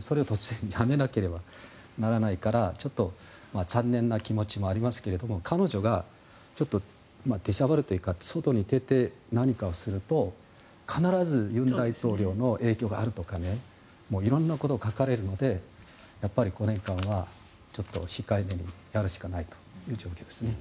それを突然やめなければならないからちょっと残念な気持ちもありますけれど彼女がちょっとでしゃばるというか外に出て何かをすると必ず尹大統領の影響があるとか色んなことを書かれるのでやっぱり５年間は控えめにやるしかないという状況ですね。